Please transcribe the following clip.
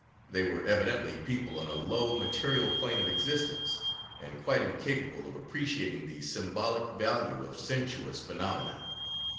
They were evidently people on a low, material plane of existence, and quite incapable of appreciating the symbolic value of sensuous phenomena.